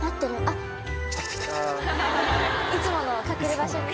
いつもの隠れ場所に。